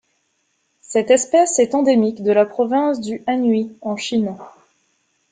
Cette espèce est endémique de la province du Anhui en Chine.